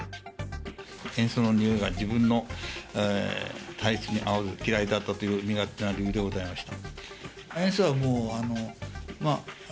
塩素のにおいが自分の体質に合わず嫌いだったという身勝手な理由でございました。